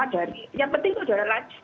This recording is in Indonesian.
diet yang baik ya mas kita tidak hanya